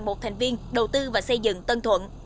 một thành viên đầu tư và xây dựng tân thuận